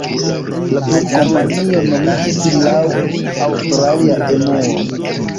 La flugkompanio nomiĝis laŭ aŭstralia Emuo.